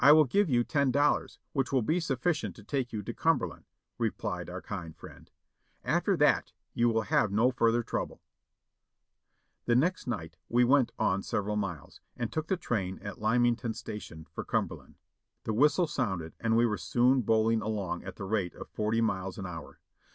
will give you ten dollars, which will be sufificient to take you to Cumberland," replied our kind friend; "after that you will have no further trouble." 496 JOHNNY REB AND BILIvY YANK The next night we went on several miles, and took the train at Lymington Station for Cumberland. The whistle sounded and we were soon bowling along at the rate of forty miles an hour.